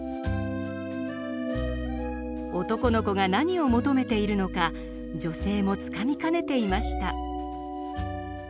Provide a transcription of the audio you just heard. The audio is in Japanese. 男の子が何を求めているのか女性もつかみかねていました。